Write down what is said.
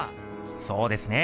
そうですね。